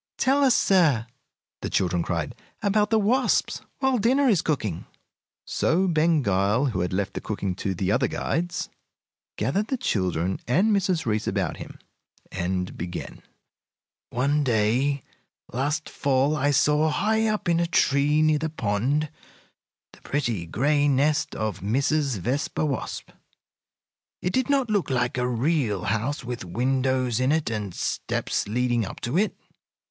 "Tell us, sir," the children cried, "about the wasps while dinner is cooking." So Ben Gile, who had left the cooking to the other guides, gathered the children and Mrs. Reece about him, and began: "One day last fall I saw, high up in a tree near the pond, the pretty, gray nest of Mrs. Vespa Wasp. It did not look like a real house, with windows in it and steps leading up to it.